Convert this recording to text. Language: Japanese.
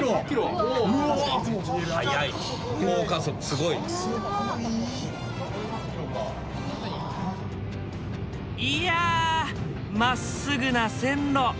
すごい。いやまっすぐな線路！